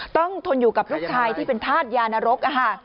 ต้องทนอยู่กับลูกชายที่เป็นทาสยานรก